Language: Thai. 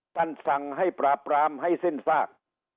สั่งให้ปราบปรามให้สิ้นซาก